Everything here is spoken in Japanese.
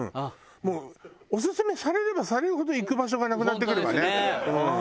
もうオススメされればされるほど行く場所がなくなってくるわね。